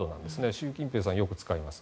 習近平さんはよく使います。